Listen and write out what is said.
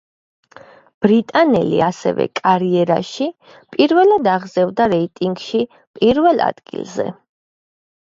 ბრიტანელი ასევე კარიერაში პირველად აღზევდა რეიტინგში პირველ ადგილზე.